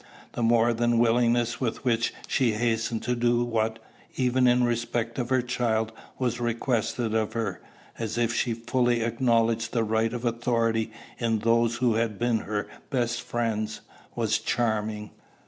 The more than willingness with which she hastened to do what, even in respect of her child, was requested of her, as if she fully acknowledged the right of authority in those who had been her best friends, was charming.